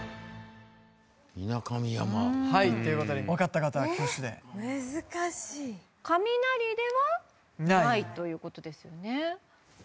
皆神山ということでわかった方は挙手で雷ではないということですよね